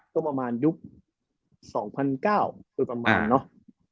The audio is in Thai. ก็ประมาณยุค๒๐๐๙โดยประมาณเนาะ